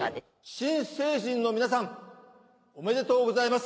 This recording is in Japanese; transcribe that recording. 新成人の皆さんおめでとうございます。